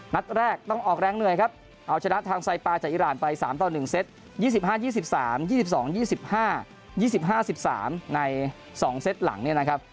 นัดแรกต้องออกแรงเหนื่อยครับเอาชนะทางไซปาจากอิราณไป๓ต่อ๑เซต๒๕๒๓๒๒๒๕๒๕๑๓ใน๒เซตหลังเนี่ยนะครับ